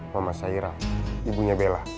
mama saira ibunya bella